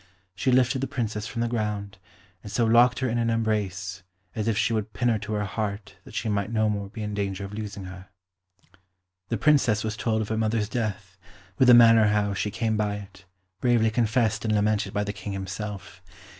She lifted the Princess from the ground, and so locked her in an embrace, as if she would pin her to her heart that she might no more be in danger of losing her. The Princess was told of her mother's death, with the manner how she came by it, bravely confessed and lamented by the King himself.